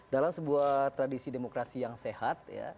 dalam sebuah tradisi demokrasi yang sehat